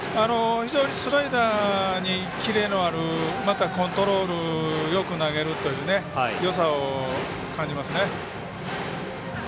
非常にスライダーにキレのある、またコントロールよく投げるというよさを感じます。